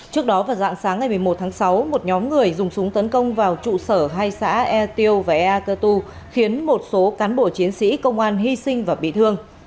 trước đó vào dạng sáng ngày một mươi một tháng sáu một nhóm người dùng súng tấn công vào trụ sở hai xã yatio và yacatu khiến một số cán bộ chiến sĩ công an hy sinh và bị thương